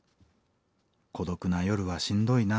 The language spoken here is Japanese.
孤独な夜はしんどいな。